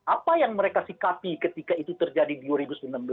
apa yang mereka sikapi ketika itu terjadi di dua ribu sembilan belas